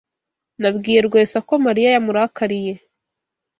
Nabwiye Rwesa ko Mariya yamurakariye.